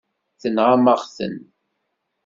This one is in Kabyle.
Tenɣam-aɣ-ten.